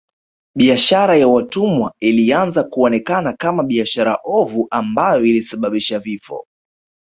Biashara ya watumwa ilianza kuonekana kama biashara ovu ambayo ilisababisha vifo